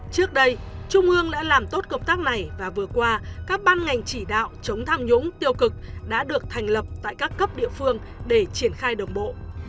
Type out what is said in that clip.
trước đây trung ương đã làm tốt công tác này và vừa qua các ban ngành chỉ đạo chống tham nhũng tiêu cực đã được thành lập tại các cấp địa phương để triển khai đồng bộ